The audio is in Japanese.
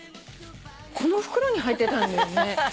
この袋に入ってたんだよね。